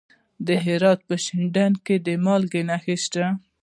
د هرات په شینډنډ کې د مالګې نښې شته.